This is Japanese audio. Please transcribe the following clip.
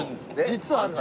実はあるの。